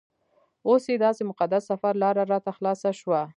اوس چې داسې مقدس سفر لاره راته خلاصه شوه.